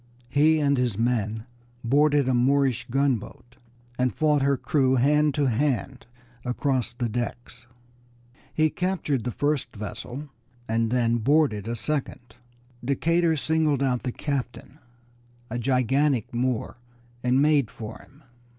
He and his men boarded a Moorish gunboat and fought her crew hand to hand across the decks. He captured the first vessel, and then boarded a second. Decatur singled out the captain, a gigantic Moor, and made for him.